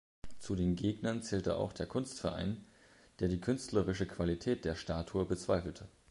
Zu den Gegnern zählte auch der Kunstverein, der die künstlerische Qualität der Statue bezweifelte.